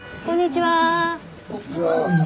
こんにちは。